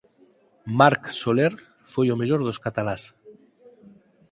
Marc Soler foi o mellor dos catalás.